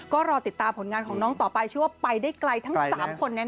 ก็รอติดตามผลงานของน้องต่อไปเชื่อว่าไปได้ไกลทั้ง๓คนแน่